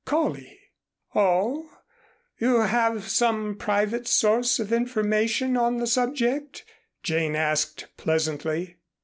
"Coley." "Oh, you have some private source of information on the subject?" Jane asked pleasantly.